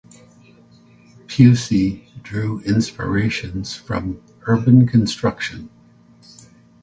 Pusey drew inspirations from urban construction.